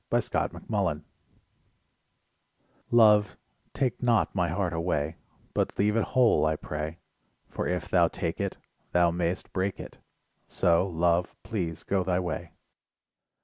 LIFE WAVES <57 LOVE Love, take not my heart away, But leave it whole, I pray, For if thou take it Thou mayest break it, So, Love please go thy way.